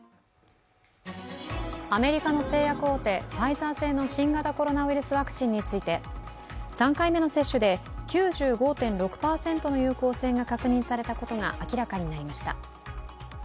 アメリカの製薬大手ファイザー製の新型コロナウイルスワクチンについて３回目の接種で９５．６％の有効性が確認されたことが明らかになりました。